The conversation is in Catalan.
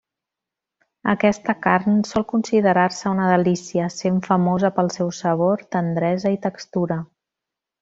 Aquesta carn sol considerar-se una delícia, sent famosa pel seu sabor, tendresa i textura.